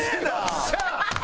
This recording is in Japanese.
よっしゃ！